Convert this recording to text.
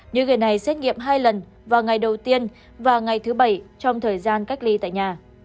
những người này xét nghiệm hai lần vào ngày đầu tiên và ngày thứ bảy trong thời gian cách ly tại nhà